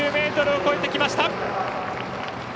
８０ｍを超えてきました。